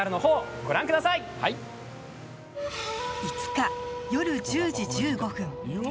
５日、夜１０時１５分。